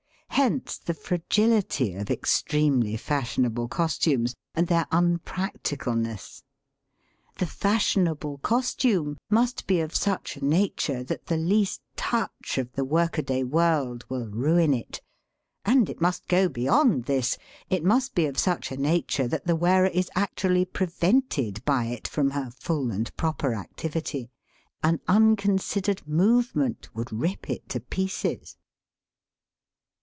Hence the fragility of extremely fash ionable costumes, and their unpracticalness. The fashionable costume must be of such a nature that the least touch of the workaday world will ruin it; and it must go beyond this — it must be of such a nature that the wearer is actually pre vented by it from her full and proper activity. An unconsidered movement would rip it to pieces.